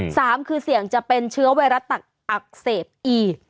สามคือเสี่ยงจะเป็นเชื้อไวรัสตักอักเสบอีก